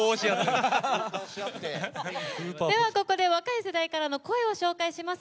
ではここで若い世代からの声を紹介します。